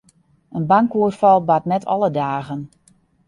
In bankoerfal bart net alle dagen.